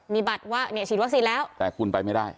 มีบัตรว่าเนี่ยฉีดวัคซีนแล้วแต่คุณไปไม่ได้